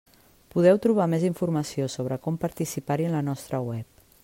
Podeu trobar més informació sobre com participar-hi en la nostra web.